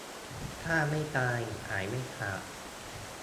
ฆ่าไม่ตายขายไม่ขาด